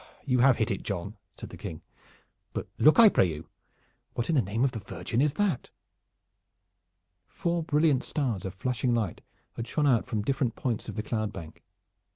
"You have hit it, John," said the King. "But look, I pray you! What in the name of the Virgin is that?" Four brilliant stars of flashing light had shone out from different points of the cloud bank.